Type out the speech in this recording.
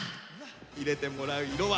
入れてもらう色は。